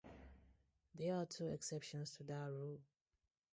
There are two exceptions to that rule.